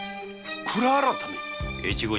蔵改め。